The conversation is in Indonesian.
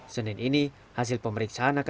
senin ini hasil pemeriksaan akan